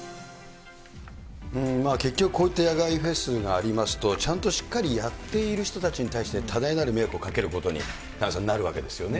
結局、こういった野外フェスがありますと、ちゃんとしっかりやっている人たちに対して、多大なる迷惑をかけることに、萱野さん、なるわけですよね。